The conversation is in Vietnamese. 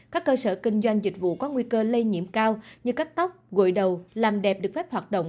các cơ sở kinh doanh dịch vụ có nguy cơ lây nhiễm cao như cắt tóc gội đầu làm đẹp được phép hoạt động